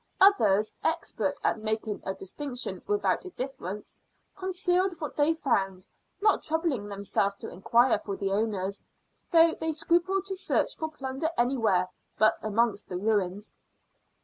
Others, expert at making a distinction without a difference, concealed what they found, not troubling themselves to inquire for the owners, though they scrupled to search for plunder anywhere, but amongst the ruins.